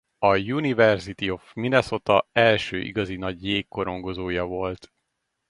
A University of Minnesota első igazi nagy jégkorongozója volt.